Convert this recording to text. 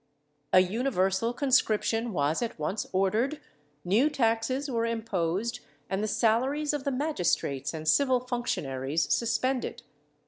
A universal conscription was at once ordered, new taxes were imposed, and the salaries of the magistrates and civil functionaries suspended.